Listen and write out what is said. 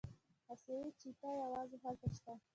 اسیایي چیتا یوازې هلته شته.